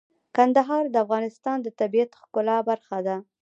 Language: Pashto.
کندهار د افغانستان د طبیعت د ښکلا برخه ده.